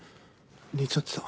寝ちゃってた。